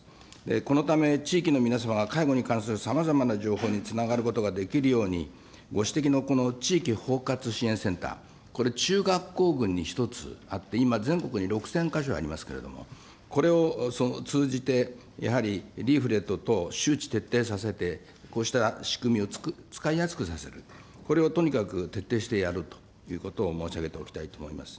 このため、地域の皆様が介護に関するさまざまな情報につながることができるように、ご指摘のこの地域包括支援センター、これ、中学校群に１つあって、今、全国に６０００か所ありますけれども、これを通じて、やはりリーフレット等、周知徹底させて、こうした仕組みを使いやすくさせる、これをとにかく徹底してやるということを申し上げておきたいと思います。